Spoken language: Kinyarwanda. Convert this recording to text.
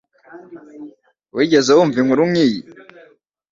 Wigeze wumva inkuru nkiyi